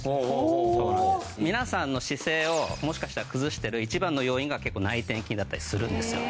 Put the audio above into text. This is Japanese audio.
皆さんの姿勢をもしかしたら崩してる一番の要因が結構内転筋だったりするんですよ。